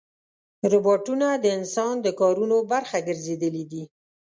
روباټونه د انسان د کارونو برخه ګرځېدلي دي.